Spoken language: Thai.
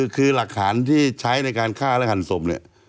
คือหลักฐานที่ใช้ในการฆ่าและหันศพเนี่ย